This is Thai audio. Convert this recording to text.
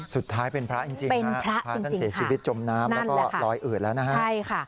สุดท้ายเป็นพระจริงฮะพระท่านเสียชีวิตจมน้ำแล้วก็ลอยอืดแล้วนะฮะใช่ค่ะ